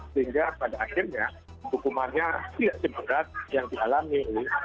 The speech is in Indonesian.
sehingga pada akhirnya hukumannya tidak seberat yang dialami